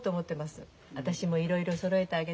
私もいろいろそろえてあげたいし。